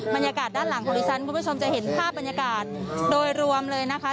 บรรยากาศด้านหลังของดิฉันคุณผู้ชมจะเห็นภาพบรรยากาศโดยรวมเลยนะคะ